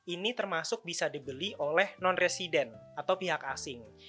ini termasuk bisa dibeli oleh non resident atau pihak asing